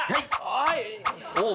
はい！